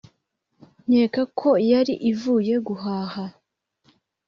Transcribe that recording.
nkeka ko yari ivuye guhaha